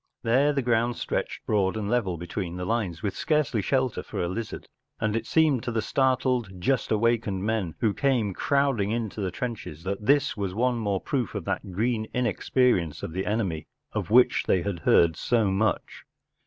There the ground stretched broad and level between the lines, with scarcely shelter for a lizard, and it seemed to the startled, just awakened men who came crowding into the trenches that this was one more proof of that green inexperience of the enemy of which they had heard so much.